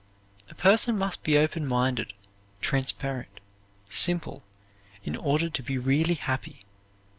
A person must be open minded, transparent, simple, in order to be really happy.